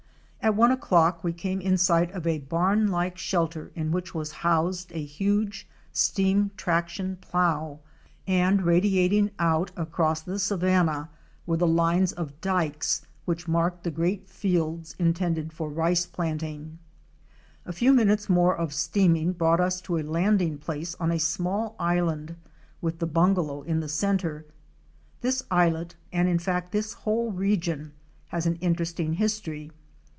At one o'clock we came in sight of a barn like shelter in which was housed a huge steam traction plough, and radiat ing out across the savanna were the lines of dykes which marked the great fields intended for rice planting. cin Fic. 146. Our BUNGALOW ON ABARY ISLAND. A few minutes more of steaming brought us to a landing place on a small island, with the bungalow in the centre. This islet and in fact this whole region has an interesting history.